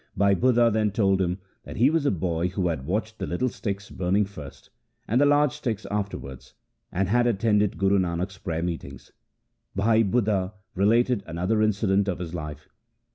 Bhai Budha then told him that he was the boy who had watched the little sticks burning first, and the large sticks afterwards, and had attended Guru Nanak' s prayer meetings. Bhai Budha related another incident of his life.